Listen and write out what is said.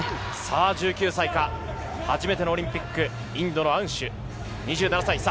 １９歳、初めてオリンピック、インドのアンシュ。